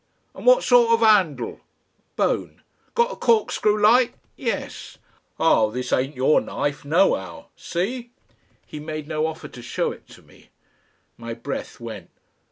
"And what sort of 'andle?" "Bone." "Got a corkscrew like?" "Yes." "Ah! This ain't your knife no'ow. See?" He made no offer to show it to me. My breath went.